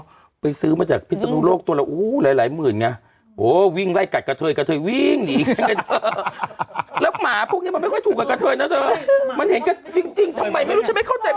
นะไปซื้อมาจากมีโลกการที่วิ่งแล้วเป็นฉุนไม่ไม่เข้าใจ